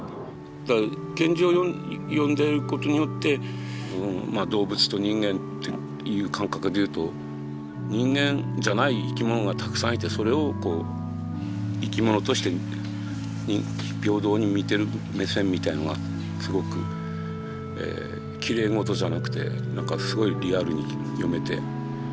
だから賢治を読んでることによって動物と人間っていう感覚でいうと人間じゃない生き物がたくさんいてそれをこう生き物として平等に見てる目線みたいのがすごくきれいごとじゃなくてすごいリアルに読めて。